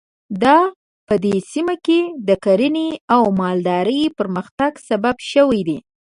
دا په دې سیمه کې د کرنې او مالدارۍ پرمختګ سبب شوي دي.